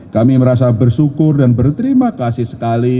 kami merasa bersyukur dan berterima kasih sekali